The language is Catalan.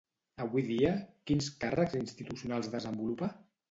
Avui dia, quins càrrecs institucionals desenvolupa?